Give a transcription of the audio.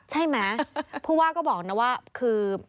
ใช่ไหมผู้ว่าก็บอกนะว่าคือ